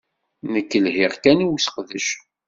Nekk lhiɣ kan i useqdec!